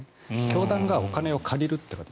教団がお金を借りるという形。